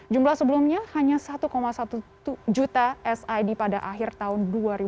jumlah sebelumnya hanya satu satu juta sid pada akhir tahun dua ribu dua puluh